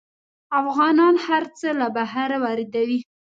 افغانان هر څه له بهر واردوي.